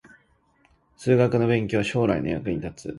数学の勉強は将来の役に立つ